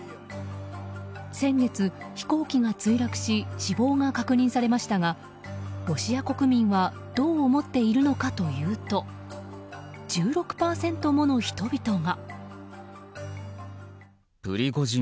先月、飛行機が墜落し死亡が確認されましたがロシア国民はどう思っているのかというと１６％もの人々が。